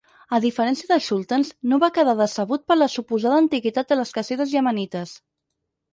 A diferència de Schultens, no va quedar decebut per la suposada antiguitat de les "Kasidas" iemenites.